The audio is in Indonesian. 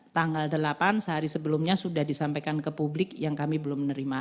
tanggal delapan sehari sebelumnya sudah disampaikan ke publik yang kami belum menerima